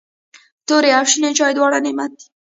توري او شنې چايي دواړه نعمت دی.